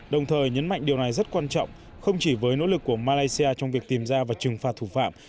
đồng thời nhấn mạnh điều này rất quan trọng không chỉ với nỗ lực của malaysia trong việc tìm ra và trừng phạt thủ phạm